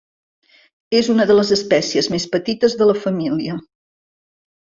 És una de les espècies més petites de la família.